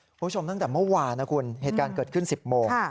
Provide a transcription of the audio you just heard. คุณผู้ชมตั้งแต่เมื่อวานนะคุณเหตุการณ์เกิดขึ้น๑๐โมง